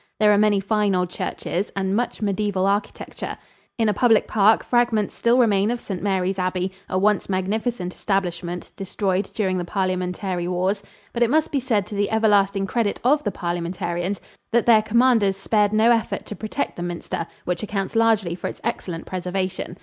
There are many fine old churches and much mediaeval architecture. In a public park fragments still remain of St. Mary's Abbey, a once magnificent establishment, destroyed during the Parliamentary wars; but it must be said to the everlasting credit of the Parliamentarians that their commanders spared no effort to protect the minster, which accounts largely for its excellent preservation.